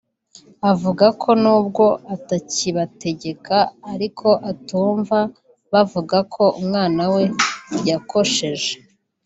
Avuga ko nubwo atakibategeka ariko atumva bavuga ko umwana we yakosheje